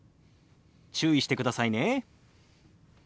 注意してくださいね。